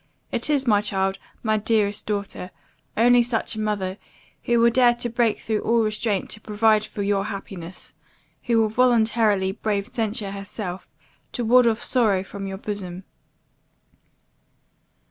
It is, my child, my dearest daughter, only such a mother, who will dare to break through all restraint to provide for your happiness who will voluntarily brave censure herself, to ward off sorrow from your bosom.